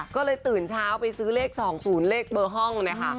ก็เลยตื่นเช้าไปซื้อเลข๒๐เลขเบอร์ห้องนะคะ